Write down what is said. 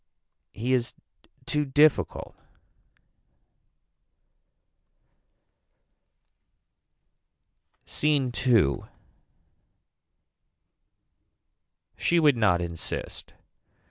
He is too difficult. SCENE II. She would not insist.